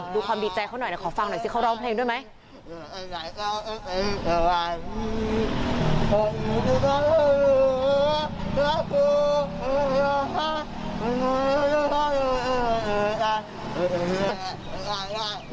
ความดีใจเขาหน่อยขอฟังหน่อยสิเขาร้องเพลงด้วยไหม